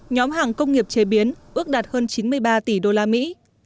nhóm hàng công nghiệp chế biến ước đạt hơn chín mươi ba tỷ đô la mỹ